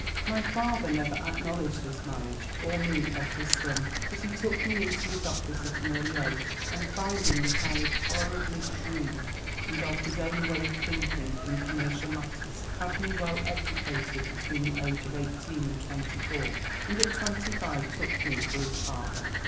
" My father never acknowledged this marriage, orme as his son But he took me into his office at an early age, and finding that I was tolerably shrewd, and of his own way of thinking in com mercial matters, had me well educated between the age of eighteen and twenty four, and at twenty five took me for his partner.